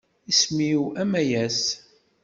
Isem-iw Amayes.